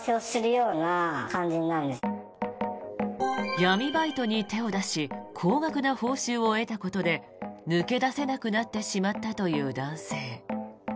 闇バイトに手を出し高額な報酬を得たことで抜け出せなくなってしまったという男性。